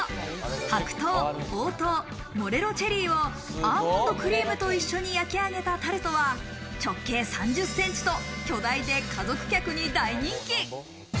白桃、黄桃、モレロチェリーをアーモンドクリームと一緒に焼き上げたタルトは直径３０ｃｍと巨大で家族客に大人気。